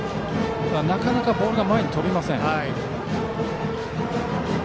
なかなかボールが前に飛びません。